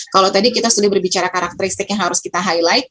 kalau tadi kita sudah berbicara karakteristik yang harus kita highlight